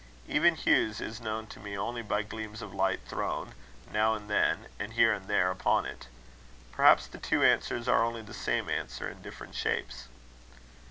Even Hugh's is known to me only by gleams of light thrown, now and then, and here and there, upon it." Perhaps the two answers are only the same answer in different shapes.